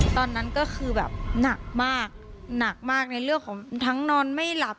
ตอนนั้นก็คือแบบหนักมากหนักมากในเรื่องของทั้งนอนไม่หลับ